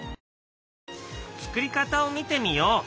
作り方を見てみよう！